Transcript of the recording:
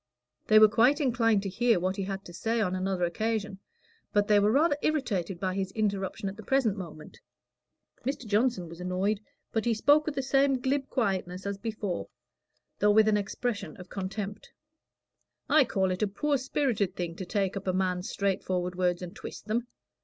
They were quite inclined to hear what he had got to say on another occasion, but they were rather irritated by his interruption at the present moment. Mr. Johnson was annoyed, but he spoke with the same glib quietness as before, though with an expression of contempt. "I call it a poor spirited thing to take up a man's straight forward words and twist them.